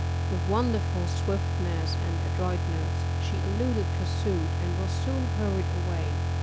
With wonderful swiftness and adroitness she eluded pursuit, and was soon hurried away.